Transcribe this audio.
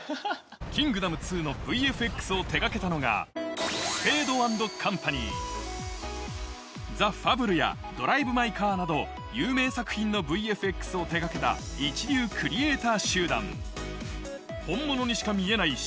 『キングダム２』のＶＦＸを手掛けたのが『ザ・ファブル』や『ドライブ・マイ・カー』など有名作品のＶＦＸを手掛けた一流クリエーター集団本物にしか見えない